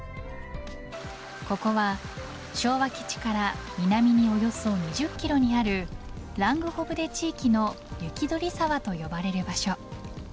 ここは昭和基地から南におよそ２０キロにあるラングホブデ地域の雪鳥沢と呼ばれる場所。